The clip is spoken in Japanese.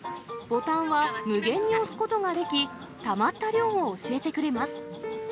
ボタンは無限に押すことができ、たまった量を教えてくれます。